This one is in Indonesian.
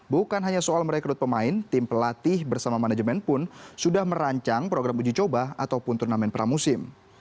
bukan hanya soal merekrut pemain tim pelatih bersama manajemen pun sudah merancang program uji coba ataupun turnamen pramusim